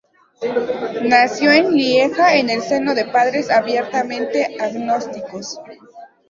Nació en Lieja, en el seno de padres abiertamente agnósticos.